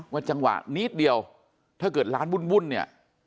จังหวะนิดเดียวถ้าเกิดร้านวุ่นเนี่ย